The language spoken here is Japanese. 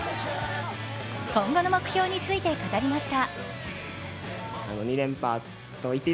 今後の目標について語りました。